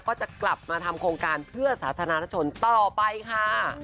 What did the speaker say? ก็จะกลับมาทำโครงการเพื่อสาธารณชนต่อไปค่ะ